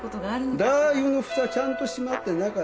ラー油の蓋ちゃんとしまってなかった。